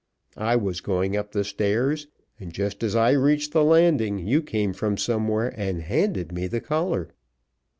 I was going up the stairs, and just as I reached the landing you came from somewhere and handed me the collar."